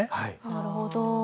なるほど。